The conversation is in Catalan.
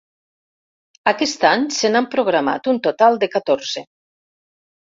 Aquest any se n’han programat un total de catorze.